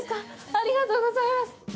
ありがとうございます！